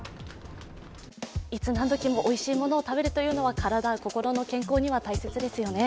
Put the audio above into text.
いつ何時も、おいしいものを食べるということは体、心の健康には大切ですよね。